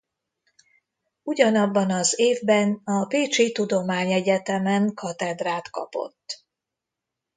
Ugyanabban az évben a Pécsi Tudományegyetemen katedrát kapott.